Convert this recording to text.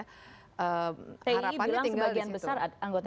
ti bilang sebagian besar anggota dpr